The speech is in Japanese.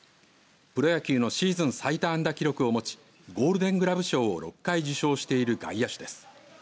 プロ野球のシーズン最多安打記録を持ちゴールデン・グラブ賞を６回受賞している外野手です。